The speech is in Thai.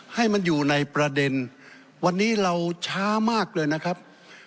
ให้มันอยู่ในประเด็นวันนี้เราช้ามากเลยนะครับ